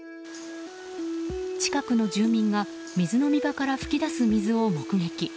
近くの住民が水飲み場から噴き出す水を目撃。